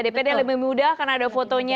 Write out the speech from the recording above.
dpd lebih mudah karena ada fotonya